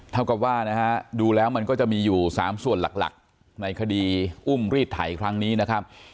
เท่ากับว่านะฮะดูแล้วมันก็จะมีอยู่๓ส่วนหลักในคดีอุ้มรีดไถครั้งนี้นะครับ